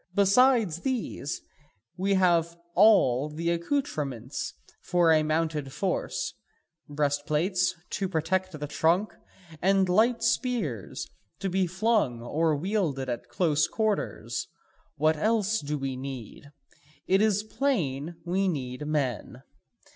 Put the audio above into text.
Besides these, we have all the accoutrements for a mounted force, breast plates to protect the trunk, and light spears to be flung or wielded at close quarters. What else do we need? It is plain we need men.